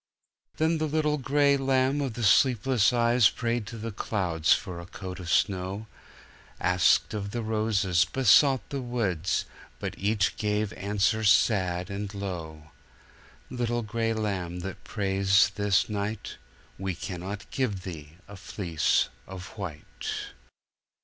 "Then the little gray lamb of the sleepless eyes prayed to the clouds for a coat of snow, Asked of the roses, besought the woods; but each gave answer sad and low: "Little gray lamb that prays this night, We cannot give thee a fleece of white."